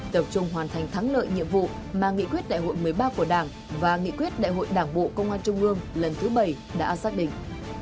tập trung hoàn thành thắng lợi nhiệm vụ mà nghị quyết đại hội một mươi ba của đảng và nghị quyết đại hội đảng bộ công an trung ương lần thứ bảy đã xác định